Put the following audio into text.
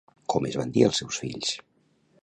Com es van dir els seus fills?